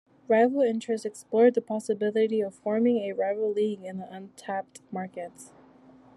Rival interests explored the possibility of forming a rival league in the untapped markets.